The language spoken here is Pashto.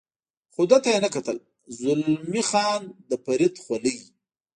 خو ده ته یې نه کتل، زلمی خان د فرید خولۍ.